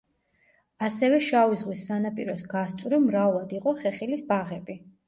ასევე შავი ზღვის სანაპიროს გასწვრივ მრავლად იყო ხეხილის ბაღები.